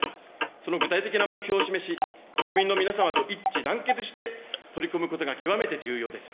その具体的な目標を示し、国民の皆様と一致団結して取り組むことが極めて重要です。